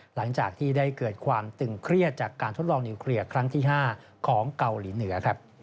หลังจากที่ได้เกิดความตึงเครียดจากการทดลองนิวเคลียร์ครั้งที่๕ของเกาหลีเหนือ